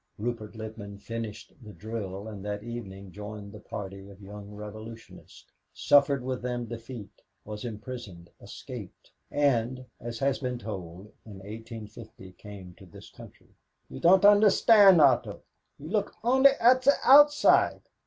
Rupert Littman finished the drill and that evening joined the party of young revolutionists, suffered with them defeat, was imprisoned, escaped, and, as has been told, in 1850 came to this country. "You don't understand, Otto. You look only at the outside.